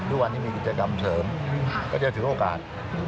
ทุกวันนี้มีกิจกรรมเสริมก็จะถือโอกาส